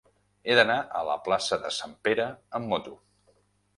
He d'anar a la plaça de Sant Pere amb moto.